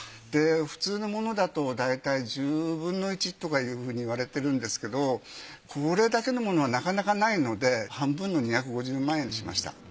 普通のものだとだいたい１０分の１とかいうふうにいわれてるんですけどこれだけのものはなかなかないので半分の２５０万円にしました。